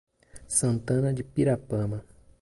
Santana de Pirapama